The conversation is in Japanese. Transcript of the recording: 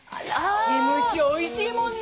キムチおいしいもんね。